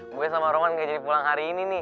gue sama roman kayak jadi pulang hari ini nih